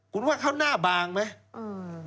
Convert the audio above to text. คุณว่าเขาหน้าบางไหม